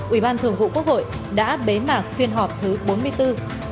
ủy ban thường vụ quốc hội đã bế mạc phiên họp thứ bốn mươi bốn